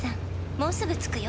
もうすぐ着くよ」